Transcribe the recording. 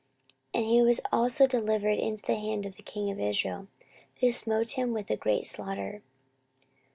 And he was also delivered into the hand of the king of Israel, who smote him with a great slaughter.